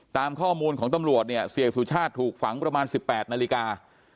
ตามข้อมูลของตำรวจเนี่ยเสียสุชาติถูกฝังประมาณ๑๘นาฬิกา